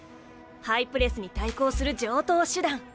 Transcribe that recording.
ハイプレスに対抗する常とう手段。